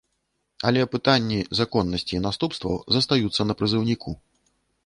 Але пытанні законнасці і наступстваў застаюцца на прызыўніку.